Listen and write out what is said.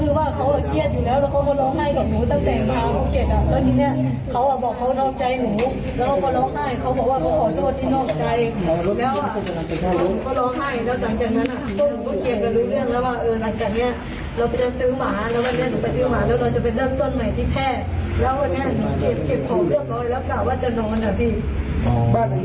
แล้ววันนี้หนูเก็บของเรือบร้อยแล้วค่ะว่าจะนอนอาทิตย์